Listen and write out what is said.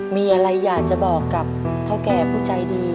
มีอะไรอยากจะบอกกับเท่าแก่ผู้ใจดี